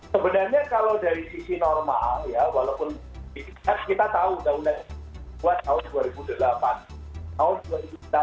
sebenarnya kalau dari sisi normal ya walaupun kita tahu tahun dua ribu delapan tahun dua ribu delapan harus tahu ya